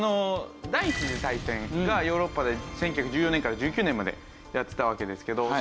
第一次大戦がヨーロッパで１９１４年から１９年までやってたわけですけど。